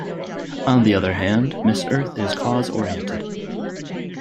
On the other hand, Miss Earth is cause-oriented.